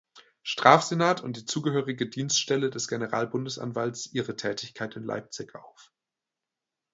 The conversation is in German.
Strafsenat und die zugehörige Dienststelle des Generalbundesanwalts ihre Tätigkeit in Leipzig auf.